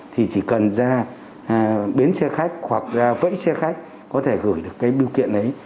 thì chỉ cần ra bến xe khách hoặc vẫy xe khách có thể gửi được cái biêu kiện đấy